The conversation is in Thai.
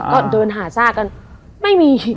ก็เดินหาซากกันไม่มี